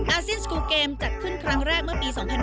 เซียนสกูลเกมจัดขึ้นครั้งแรกเมื่อปี๒๕๕๙